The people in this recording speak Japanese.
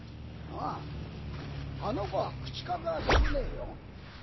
あああの子は口数は少ねえよ。